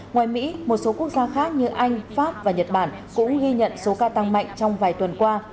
ngoài mỹ một số quốc gia khác như anh pháp và nhật bản cũng ghi nhận số ca tăng mạnh trong vài tuần qua